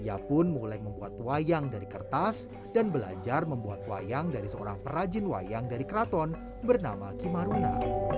ia pun mulai membuat wayang dari kertas dan belajar membuat wayang dari seorang perajin wayang dari keraton bernama kimaruna